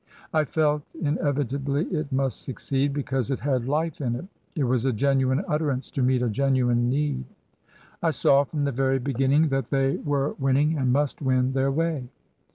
I felt, inevitably it must succeed, because it had life in it ; it was a genuine utterance to meet a genuine need. I saw from the very beginning that they were winning and must win their way.